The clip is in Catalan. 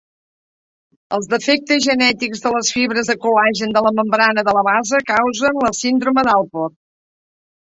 Els defectes genètics de les fibres de col·lagen de la membrana de la base causen la síndrome d'Alport.